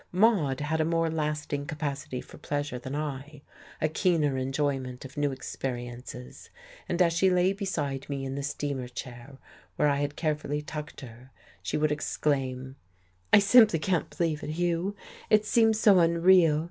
Maude had a more lasting capacity for pleasure than I, a keener enjoyment of new experiences, and as she lay beside me in the steamer chair where I had carefully tucked her she would exclaim: "I simply can't believe it, Hugh! It seems so unreal.